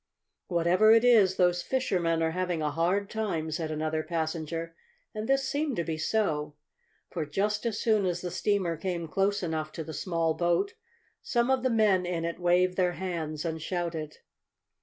"Whatever it is, those fishermen are having a hard time," said another passenger; and this seemed to be so, for, just as soon as the steamer came close enough to the small boat, some of the men in it waved their hands and shouted.